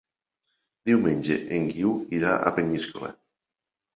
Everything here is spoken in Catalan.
Diumenge en Guiu irà a Peníscola.